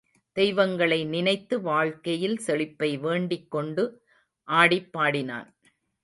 தெய்வங்களை நினைத்து வாழ்க்கையில் செழிப்பை வேண்டிக் கொண்டு ஆடிப்பாடினான்.